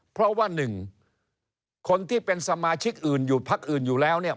เพราะว่าหนึ่งคนที่เป็นสมาชิกอื่นอยู่พักอื่นอยู่แล้วเนี่ย